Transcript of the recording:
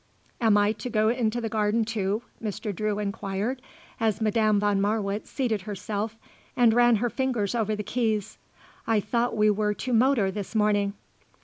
"Am I to go into the garden, too?" Mr. Drew inquired, as Madame von Marwitz seated herself and ran her fingers over the keys. "I thought we were to motor this morning."